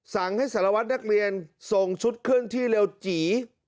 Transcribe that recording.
สั่งให้สารวัตรนักเรียนส่งชุดเคลื่อนที่เร็วจี